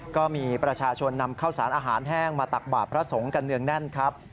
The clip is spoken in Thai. ก็มีประชาชนนำข้าวสารอาหารแห้งมาตักบาทพระสงฆ์กันเนืองแน่นครับ